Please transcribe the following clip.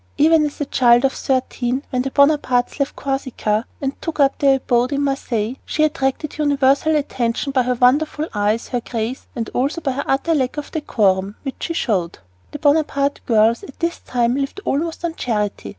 Even as a child of thirteen, when the Bonapartes left Corsica and took up their abode in Marseilles, she attracted universal attention by her wonderful eyes, her grace, and also by the utter lack of decorum which she showed. The Bonaparte girls at this time lived almost on charity.